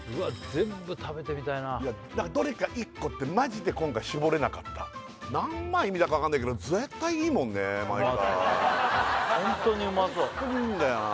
全部食べてみたいなどれか１個ってマジで今回絞れなかった何枚見たかわかんないけど絶対いいもんね毎回ホントにうまそうホントにいいんだよなあ